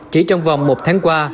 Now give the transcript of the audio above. chỉ trong vòng một tháng qua